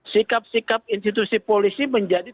sikap sikap institusi polisi menjadi